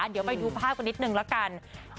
เดี๋ยวไปดูภาพกันนิดนึงละกัน